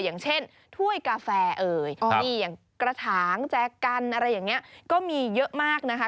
อย่างเช่นถ้วยกาแฟเอ่ยอย่างกระถางแจกันอะไรอย่างนี้ก็มีเยอะมากนะคะ